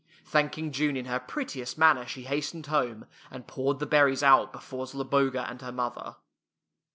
Thanking June in her prettiest manner, she hastened home, and poured the berries out before Zloboga and her mother.